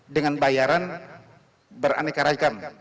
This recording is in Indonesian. dengan bayaran beraneka rekan